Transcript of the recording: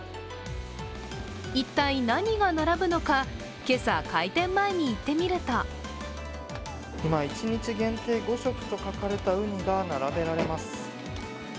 一体何が並ぶのか、今朝開店前に行ってみると一日限定５食と書かれたうにが並べられます。